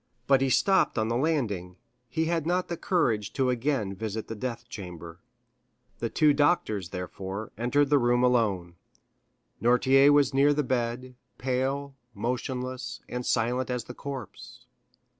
But he stopped on the landing; he had not the courage to again visit the death chamber. The two doctors, therefore, entered the room alone. Noirtier was near the bed, pale, motionless, and silent as the corpse.